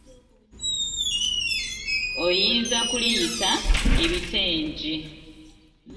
Oyinza kuliyita ebitengi.